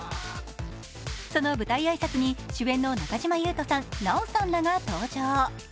その舞台挨拶に主演の中島裕翔さん、奈緒さんらが登場。